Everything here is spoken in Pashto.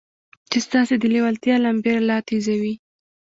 چې ستاسې د لېوالتیا لمبې لا تېزوي.